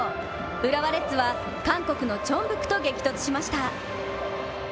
浦和レッズは韓国のチョンブクと激突しました